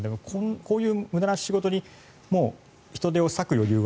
こういう無駄な仕事に人手を割く余裕は